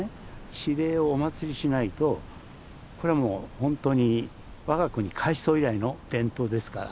地霊をお祀りしないとこれはもう本当に我が国開創以来の伝統ですから。